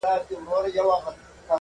"د مثقال د ښو جزا ورکول کېږي-